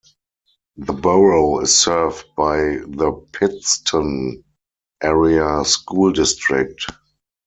The borough is served by the Pittston Area School District.